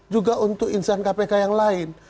juga untuk insan kpk yang lain